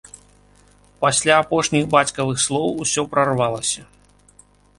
Пасля апошніх бацькавых слоў усё прарвалася.